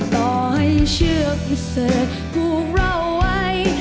ต่อให้เชือกพิเศษผูกเราไว้